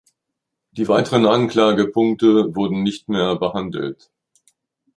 Die weiteren Anklagepunkte wurden nicht mehr behandelt.